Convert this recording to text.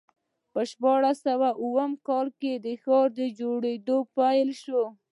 په شپاړس سوه اووه کال کې ښار په جوړېدو پیل شو.